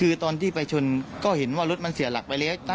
คือตอนที่ไปชนก็เห็นว่ารถมันเสียหลักไปแล้ว